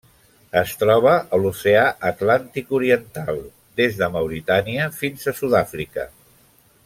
Es troba a l'Oceà Atlàntic oriental: des de Mauritània fins a Sud-àfrica.